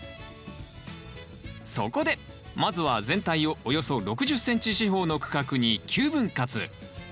そこでまずは全体をおよそ６０ｃｍ四方の区画に９分割。